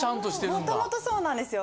もともとそうなんですよ。